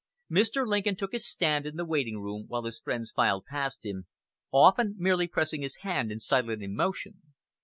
Mr. Lincoln took his stand in the waiting room while his friends filed past him, often merely pressing his hand in silent emotion.